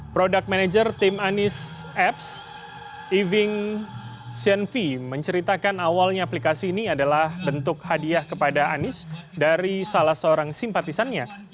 product manager tim anies apps eving zenvi menceritakan awalnya aplikasi ini adalah bentuk hadiah kepada anies dari salah seorang simpatisannya